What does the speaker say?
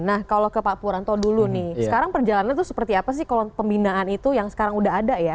nah kalau ke pak puranto dulu nih sekarang perjalanan itu seperti apa sih kalau pembinaan itu yang sekarang udah ada ya